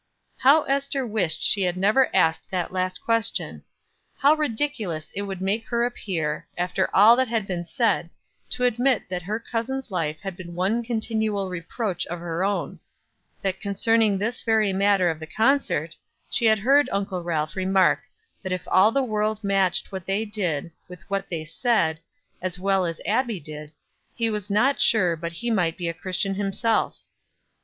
How Ester wished she had never asked that last question! How ridiculous it would make her appear, after all that had been said, to admit that her cousin's life had been one continual reproach of her own; that concerning this very matter of the concert, she had heard Uncle Ralph remark that if all the world matched what they did with what they said, as well as Abbie did, he was not sure but he might be a Christian himself.